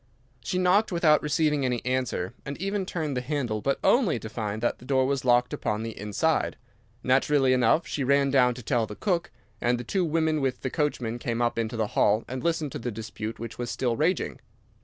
She knocked without receiving any answer, and even turned the handle, but only to find that the door was locked upon the inside. Naturally enough she ran down to tell the cook, and the two women with the coachman came up into the hall and listened to the dispute which was still raging.